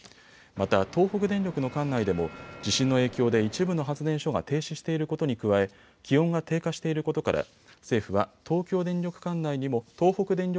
また東北電力の管内でも地震の影響で一部の発電所が停止していることに加え気温が低下していることから